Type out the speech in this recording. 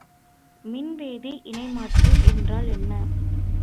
மின் வேதி இணை மாற்று என்றால் என்ன?